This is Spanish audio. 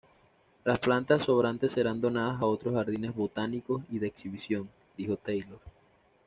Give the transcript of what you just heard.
Las plantas sobrantes serán donadas a otros jardines botánicos y de exhibición, dijo Taylor.